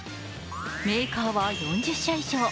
メーカーは４０社以上。